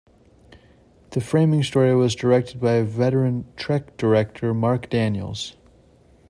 The framing story was directed by veteran "Trek" director Marc Daniels.